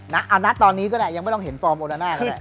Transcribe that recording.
นัทตอนนี้ก็ได้ยังไม่ลองเห็นฟอร์มโอนาหน้า